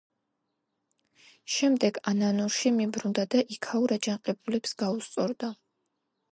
შემდეგ ანანურში მიბრუნდა და იქაურ აჯანყებულებს გაუსწორდა.